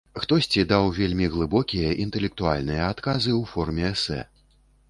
Хтосьці даў вельмі глыбокія, інтэлектуальныя адказы ў форме эсэ.